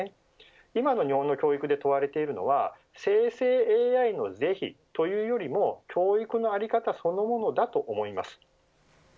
今の日本の教育で問われているのは生成ＡＩの是非というよりも教育の在り方そのものだと思います。